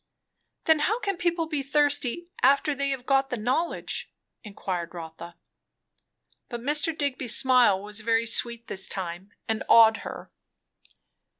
"Then how can people be thirsty, after they have got the knowledge?" inquired Rotha. But Mr. Digby's smile was very sweet this time, and awed her.